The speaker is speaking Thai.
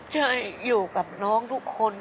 ใช่อยู่กับน้องทุกคน